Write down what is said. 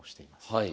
はい。